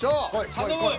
頼む！